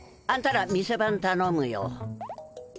あんたら店番たのむよ。